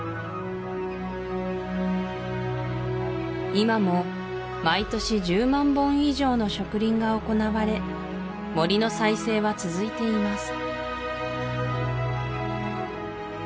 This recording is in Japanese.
今も毎年１０万本以上の植林が行われ森の再生は続いています